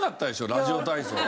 ラジオ体操。